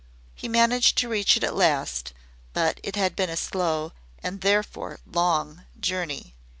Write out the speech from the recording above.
He managed to reach it at last, but it had been a slow, and therefore, long journey.